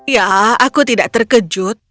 ya aku tidak terkejut